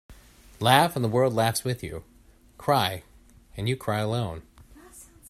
Laugh and the world laughs with you. Cry and you cry alone.